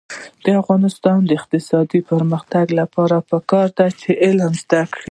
د افغانستان د اقتصادي پرمختګ لپاره پکار ده چې علم زده کړو.